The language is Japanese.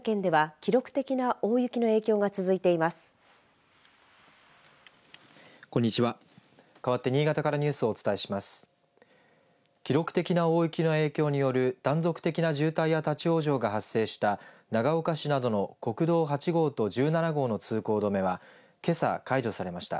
記録的な大雪の影響による断続的な渋滞や立往生が発生した長岡市などの国道８号と１７号の通行止めはけさ解除されました。